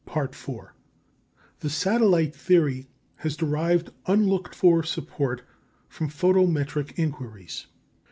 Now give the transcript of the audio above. The satellite theory has derived unlooked for support from photometric inquiries.